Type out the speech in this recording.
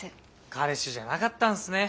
彼氏じゃなかったんすね。